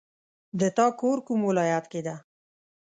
د تا کور کوم ولایت کې ده